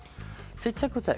接着剤